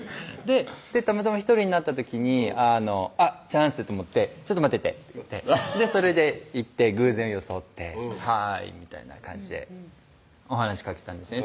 たまたま１人になった時にあっチャンスと思って「ちょっと待ってて」って言ってそれで行って偶然を装って「ハーイ」みたいな感じで話しかけたんですよ